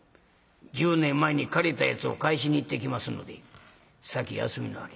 １０年前に借りたやつを返しに行ってきますので先休みなはれ」。